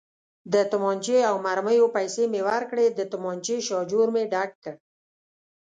د تومانچې او مرمیو پیسې مې ورکړې، د تومانچې شاجور مې ډک کړ.